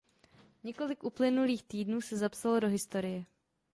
Několik uplynulých týdnů se zapsalo do historie.